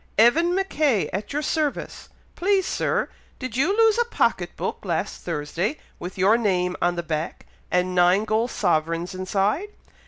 "Evan Mackay, at your service. Please, Sir, did you lose a pocket book last Thursday, with your name on the back, and nine gold sovereigns inside?"